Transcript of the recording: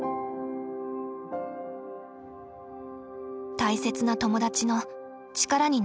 大切な友達の力になりたい。